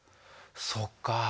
そっか。